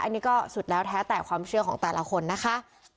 อันนี้ก็สุดแล้วแท้แต่ความเชื่อของแต่ละคนนะคะ